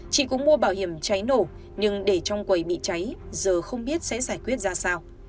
chị cũng mua bảo hiểm cháy nổ nhưng để trong quầy bị cháy giờ không biết sẽ giải quyết ra sao